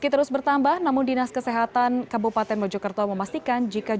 terus dikecil ke sini